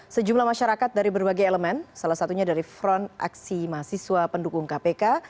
sejumlah masyarakat dari berbagai elemen salah satunya dari front aksi mahasiswa pendukung kpk